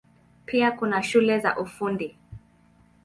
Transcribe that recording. Pia kuna shule za Ufundi.